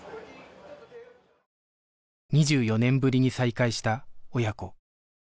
２４年ぶりに再会した親子